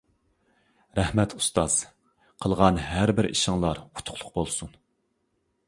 رەھمەت ئۇستاز، قىلغان ھەربىر ئىشىڭلار ئۇتۇقلۇق بولسۇن!